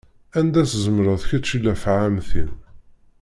Anda tzemreḍ kečč i llafɛa am tin!